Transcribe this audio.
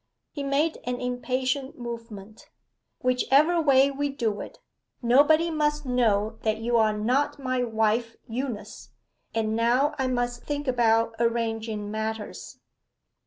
He made an impatient movement. 'Whichever way we do it, nobody must know that you are not my wife Eunice. And now I must think about arranging matters.